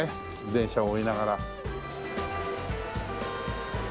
電車を追いながら。